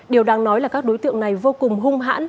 điều đáng nói là các đối tượng này vô cùng hung hãn